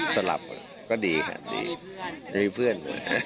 สลับหมดก็ดีค่ะดีมีเพื่อน